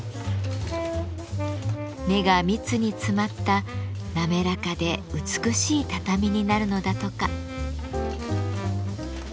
目が密に詰まった滑らかで美しい畳になるのだとか。